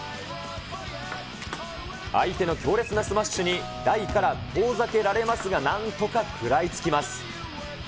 相手の強烈なスマッシュに左から遠ざけられますが、なんとか食らいつきます。